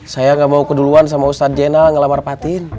saya gak mau keduluan sama ustadz jena ngelamar patin